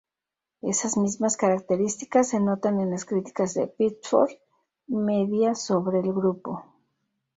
Esas mismas características se notan en las críticas de Pitchfork Media sobre el grupo.